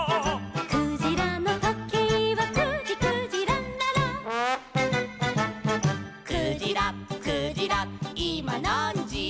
「クジラのとけいは９じ９じららら」「クジラクジラいまなんじ」